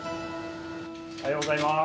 おはようございます。